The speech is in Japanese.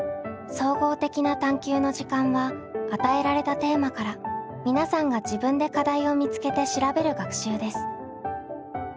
「総合的な探究の時間」は与えられたテーマから皆さんが自分で課題を見つけて調べる学習です。